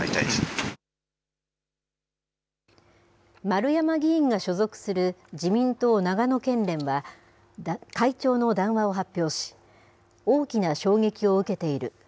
丸山議員が所属する自民党長野県連は、会長の談話を発表し、大きな衝撃を受けている。